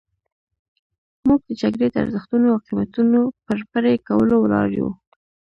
موږ د جګړې د ارزښتونو او قیمتونو پر پرې کولو ولاړ یو.